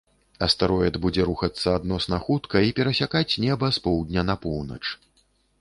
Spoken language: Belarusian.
Астэроід будзе рухацца адносна хутка і перасякаць неба з поўдня на поўнач.